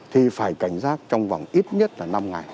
thì phải cảnh giác trong vòng ít nhất là năm ngày